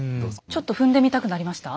ちょっと踏んでみたくなりました？